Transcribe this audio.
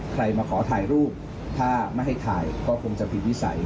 ใครมาขอถ่ายรูปถ้าไม่ให้ถ่ายก็คงจะผิดวิสัย